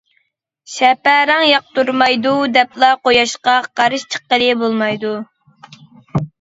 شەپەرەڭ ياقتۇرمايدۇ دەپلا قۇياشقا قارشى چىققىلى بولمايدۇ.